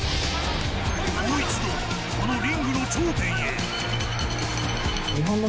もう一度、このリングの頂点へ。